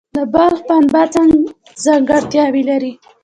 د بلخ پنبه څه ځانګړتیا لري؟